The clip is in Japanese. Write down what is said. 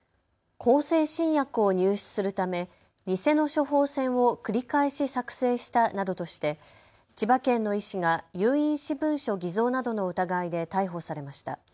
向精神薬を入手するため偽の処方箋を繰り返し作成したなどとして千葉県の医師が有印私文書偽造などの疑いで逮捕されました。